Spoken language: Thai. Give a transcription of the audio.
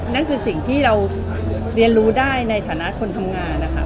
นั่นคือสิ่งที่เราเรียนรู้ได้ในฐานะคนทำงานนะคะ